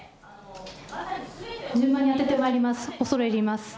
恐れ入ります。